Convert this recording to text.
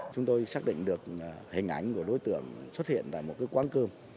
chúng tôi xác định được hình ảnh của đối tượng xuất hiện tại một quán cơm